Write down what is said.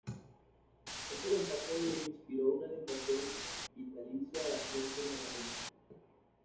Este contacto le inspiró una dedicación vitalicia a la ciencia y la matemática.